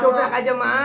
kubrak aja mak